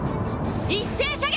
一斉射撃！